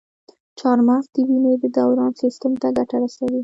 چارمغز د وینې د دوران سیستم ته ګټه رسوي.